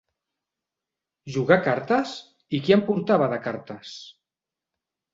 Jugar a cartes? I qui en portava de cartes